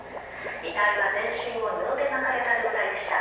遺体は全身を布で巻かれた状態でした。